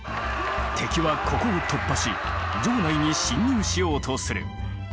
敵はここを突破し城内に侵入しようとする。